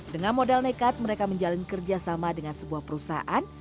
dengan modal nekat mereka menjalin kerjasama dengan sebuah perusahaan